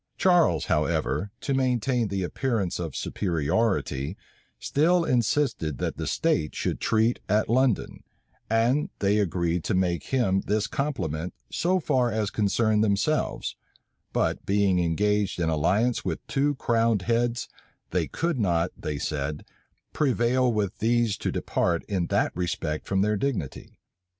Charles, however, to maintain the appearance of superiority, still insisted that the states should treat at London; and they agreed to make him this compliment so far as concerned themselves: but being engaged in alliance with two crowned heads, they could not, they said, prevail with these to depart in that respect from their dignity.